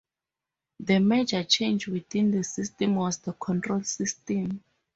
The major change within the system was the control system.